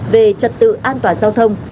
về trật tự an toàn giao thông